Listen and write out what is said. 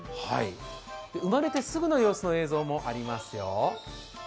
生まれてすぐの様子の映像もありますよ。